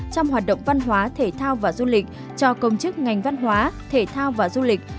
trong hoạt động văn hóa thể thao và du lịch cho công chức ngành văn hóa thể thao và du lịch